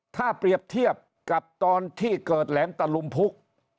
ถ้าเปรียบเทียบกับตอนที่เกิดแหลมตะลุมพุก